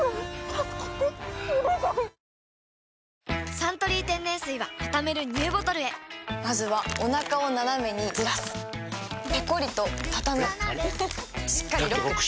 「サントリー天然水」はたためるＮＥＷボトルへまずはおなかをナナメにずらすペコリ！とたたむしっかりロック！